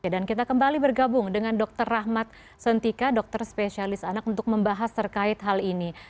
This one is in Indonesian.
dan kita kembali bergabung dengan dr rahmat sentika dokter spesialis anak untuk membahas terkait hal ini